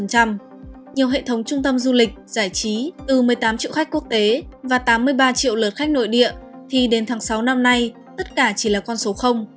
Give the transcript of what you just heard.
nhiều hệ thống trung tâm du lịch giải trí ưu một mươi tám triệu khách quốc tế và tám mươi ba triệu lượt khách nội địa thì đến tháng sáu năm nay tất cả chỉ là con số